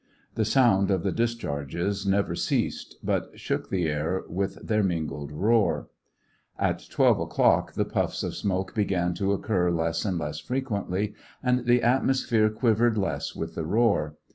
The sound of the dis charges never ceased, but shook the air with their mingled roar. At twelve o'clock, the puffs of smoke began to occur less and less fequently, and the atmosphere quivered less with the roar.